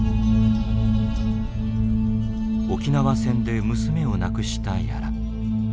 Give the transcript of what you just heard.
沖縄戦で娘を亡くした屋良。